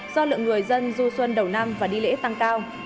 do lượng người dân du xuân đầu năm và đi lễ tăng cao